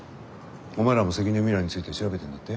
お前らも関根ミラについて調べてんだって？